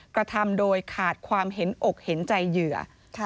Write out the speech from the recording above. กระทำโดยขาดความเห็นอกเห็นใจเหยื่อ